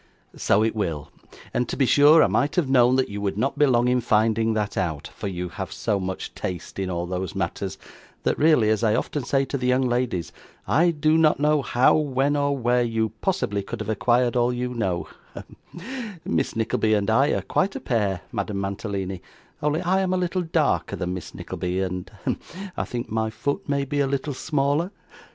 'So it will; and to be sure I might have known that you would not be long in finding that out; for you have so much taste in all those matters, that really, as I often say to the young ladies, I do not know how, when, or where, you possibly could have acquired all you know hem Miss Nickleby and I are quite a pair, Madame Mantalini, only I am a little darker than Miss Nickleby, and hem I think my foot may be a little smaller.